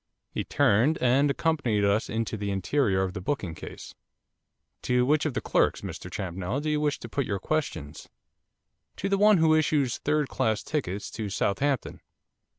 He turned and accompanied us into the interior of the booking case. 'To which of the clerks, Mr Champnell, do you wish to put your questions?' 'To the one who issues third class tickets to Southampton.